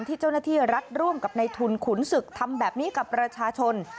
ที่เจ้าหน้าที่รัฐร่วมกับในทุนขุนศึกทำแบบนี้กับประชาชน